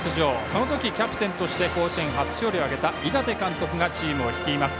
その時、キャプテンとして甲子園初勝利を挙げた井達監督がチームを率います。